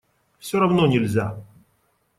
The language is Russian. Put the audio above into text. Все равно нельзя.